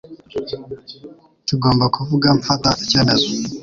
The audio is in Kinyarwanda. Tugomba kuvuga mfata icyemezo